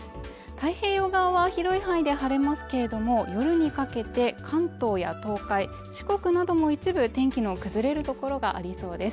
太平洋側は広い範囲で晴れますけれども、夜にかけて関東や東海、四国なども一部天気の崩れるところがありそうです。